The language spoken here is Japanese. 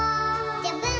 「ジャブン！」